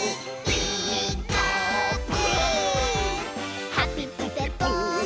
「ピーカーブ！」